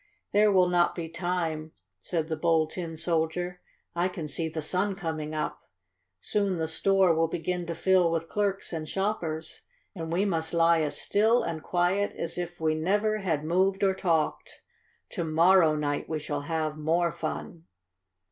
"There will not be time," said the Bold Tin Soldier. "I can see the sun coming up. Soon the store will begin to fill with clerks and shoppers, and we must lie as still and quiet as if we never had moved or talked. To morrow night we shall have more fun."